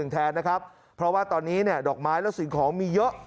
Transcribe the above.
แทนนะครับเพราะว่าตอนนี้เนี่ยดอกไม้และสิ่งของมีเยอะ